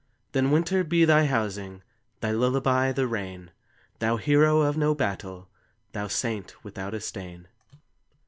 Then winter be thy housing, Thy lullaby the rain, Thou hero of no battle, Thou saint without a stain.